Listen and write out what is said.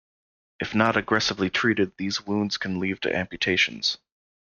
If not aggressively treated, these wounds can lead to amputations.